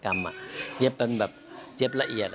เท่านั้นเหยียบละเอียด